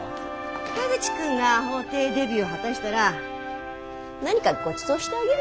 田口君が法廷デビューを果たしたら何かごちそうしてあげるわ。